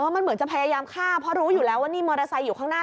มันเหมือนจะพยายามฆ่าเพราะรู้อยู่แล้วว่านี่มอเตอร์ไซค์อยู่ข้างหน้า